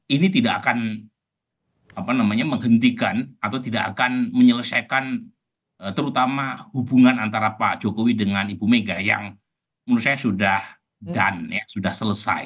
ini tidak akan menghentikan atau tidak akan menyelesaikan terutama hubungan antara pak jokowi dengan ibu mega yang menurut saya sudah dan sudah selesai